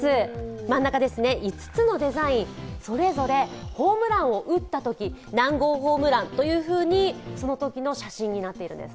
真ん中ですね、５つのデザイン、それぞれホームランを打ったとき何号ホームランというふうに、そのときの写真になっているんです。